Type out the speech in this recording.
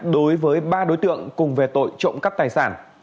đối với ba đối tượng cùng về tội trộm cắp tài sản